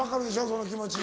その気持ち。